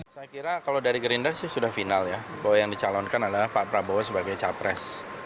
saya kira kalau dari gerindra sih sudah final ya bahwa yang dicalonkan adalah pak prabowo sebagai capres